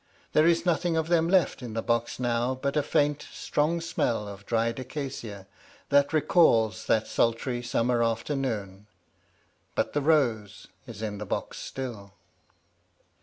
There is nothing of them left in the box now, but a faint, strong smell of dried acacia, that recalls that sultry summer afternoon; but the rose is in the box still.